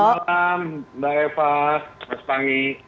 selamat malam mbak eva mas pangi